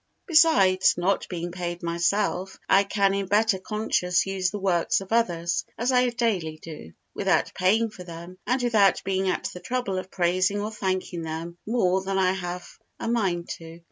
Besides, not being paid myself, I can in better conscience use the works of others, as I daily do, without paying for them and without being at the trouble of praising or thanking them more than I have a mind to.